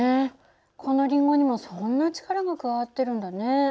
このりんごにもそんな力が加わってるんだね。